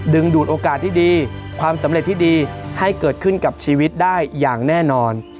ดูดโอกาสที่ดีความสำเร็จที่ดีให้เกิดขึ้นกับชีวิตได้อย่างแน่นอน